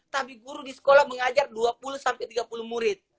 tapi guru di sekolah mengajar dua puluh sampai tiga puluh murid